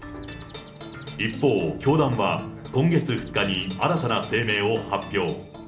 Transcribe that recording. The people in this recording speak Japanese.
一方、教団は今月２日に新たな声明を発表。